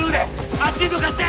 あっちにどかして。